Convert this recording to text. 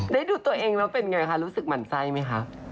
ได้ดูตัวเองแล้วเป็นไงคะรู้สึกหมั่นไส้ไหมคะ